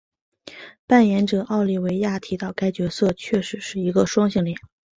扮演者奥利维亚提到该角色确实是一个双性恋。